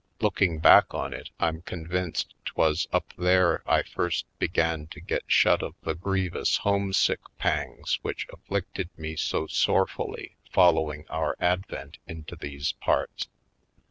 Looking back on it I'm convinced 'twas up there I first began to get shut of the grievous home stick pangs which afHicted me so sorefully following after our advent into these parts.